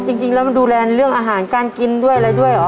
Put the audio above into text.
จริงแล้วมันดูแลเรื่องอาหารการกินด้วยอะไรด้วยเหรอ